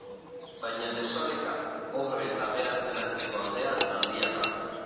Baina desoreka, pobre eta aberatsen arteko aldea, handia da.